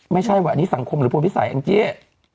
ไม่ใช่วะอันนี้สังคมหรือพลพิสัยแองจี้